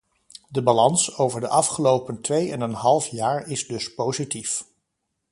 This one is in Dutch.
De balans over de afgelopen twee en een half jaar is dus positief.